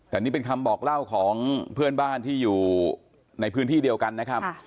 แต่นี่เป็นคำบอกเล่าของเพื่อนบ้านที่อยู่ในพื้นที่เดียวกันนะครับ